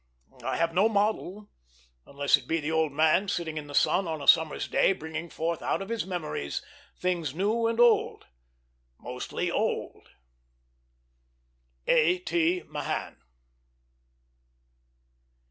I have no model, unless it be the old man sitting in the sun on a summer's day, bringing forth out of his memories things new and old mostly old. A. T. MAHAN.